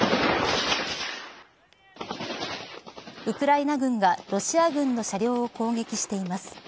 ウクライナ軍がロシア軍の車両を攻撃しています。